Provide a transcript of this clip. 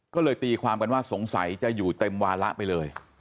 ก็เลยตีความกันว่าสงสัยจะอยู่เต็มวาระไปเลย